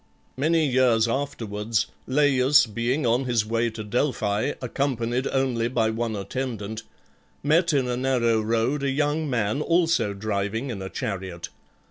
Many years afterwards Laius being on his way to Delphi, accompanied only by one attendant, met in a narrow road a young man also driving in a chariot.